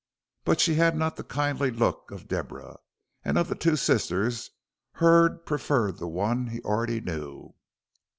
But she had not the kindly look of Deborah, and of the two sisters Hurd preferred the one he already knew.